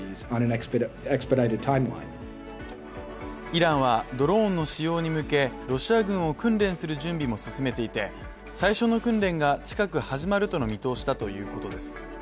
イランは、ドローンの使用に向けロシア軍を訓練する準備も進めていて最初の訓練が近く始まるとの見通しだということです。